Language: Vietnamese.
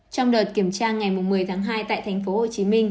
trong đợt kiểm tra ngày một mươi tháng hai tại tp hcm